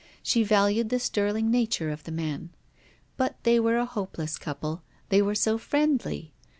She valued the sterling nature of the man. But they were a hopeless couple, they were so friendly.